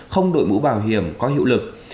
không đội mũ bảo hiểm có hiệu lực